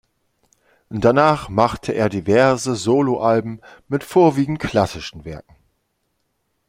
Danach machte er diverse Soloalben mit vorwiegend klassischen Werken.